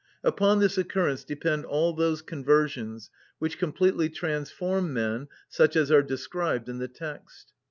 Upon this occurrence depend all those conversions which completely transform men such as are described in the text.